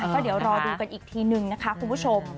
ก็เดี๋ยวรอดูกันอีกทีนึงนะคะคุณผู้ชม